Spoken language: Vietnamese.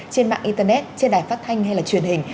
trên mạng internet trên đài phát thanh hay là truyền hình